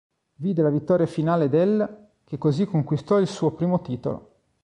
Vide la vittoria finale dell', che così conquistò il suo primo titolo.